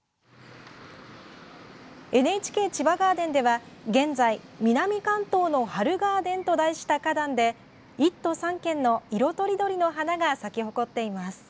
ＮＨＫ千葉ガーデンでは、現在南関東の春ガーデンと題した花壇で１都３県の色とりどりの花が咲き誇っています。